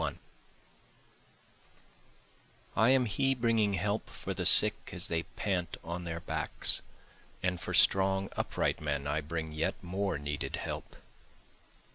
41 I am he bringing help for the sick as they pant on their backs, And for strong upright men I bring yet more needed help.